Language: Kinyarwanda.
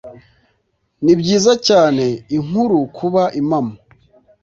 Nibyiza cyane inkuru kuba impamo